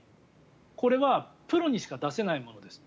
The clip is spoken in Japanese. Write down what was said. これはプロにしか出せないものです。